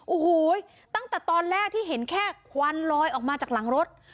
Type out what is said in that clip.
โอ้โหตั้งแต่ตอนแรกที่เห็นแค่ควันลอยออกมาจากหลังรถ